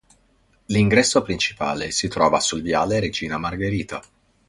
L'ingresso principale si trova sul Viale Regina Margherita.